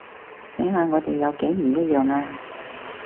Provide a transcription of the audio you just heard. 睇下我哋有幾唔一樣呀